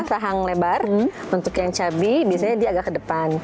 nah kalau yang lala patekin ini untuk yang cabi biasanya dia agak ke depan